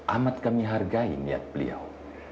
amat kami hargai niat beliau